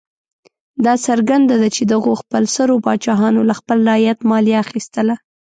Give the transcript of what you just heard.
دا څرګنده ده چې دغو خپلسرو پاچاهانو له خپل رعیت مالیه اخیستله.